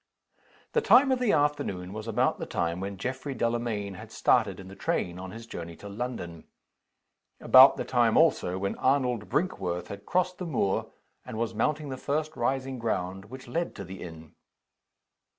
The time of the afternoon was about the time when Geoffrey Delamayn had started in the train, on his journey to London. About the time also, when Arnold Brinkworth had crossed the moor, and was mounting the first rising ground which led to the inn.